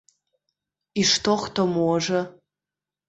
І што хто можа?